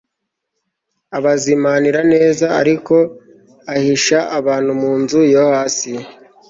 abazimanira neza, ariko ahisha abantu mu nzu yo hasi